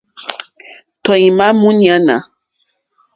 Tɔ̀ímá mǃúɲánà.